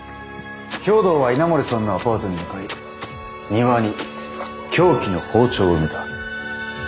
兵藤は稲森さんのアパートに向かい庭に凶器の包丁を埋めた。